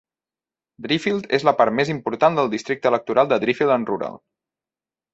Driffield és la part més important del districte electoral de Driffield and Rural.